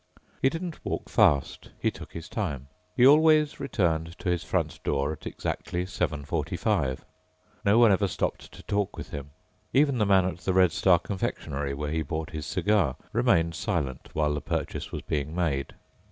He didn't walk fast. He took his time. He always returned to his front door at exactly 7:45. No one ever stopped to talk with him. Even the man at the Red Star confectionery, where he bought his cigar, remained silent while the purchase was being made.